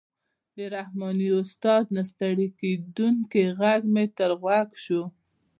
د رحماني استاد نه ستړی کېدونکی غږ مې تر غوږ شو.